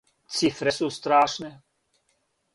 Цифре су страшне.